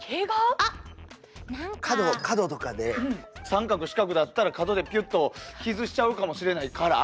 三角四角だったら角でピュッと傷しちゃうかもしれないから？